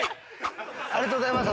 ありがとうございます